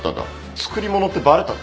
作り物ってバレたぞ